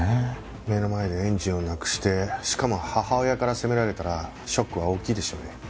目の前で園児を亡くしてしかも母親から責められたらショックは大きいでしょうね。